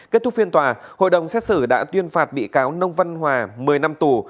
kết thúc phiên tòa hội đồng xét xử đã tuyên phạt bị cáo nông văn hòa một mươi năm tù